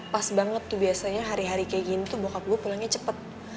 pas banget tuh biasanya hari hari kayak gini tuh bokap gue pulangnya cepat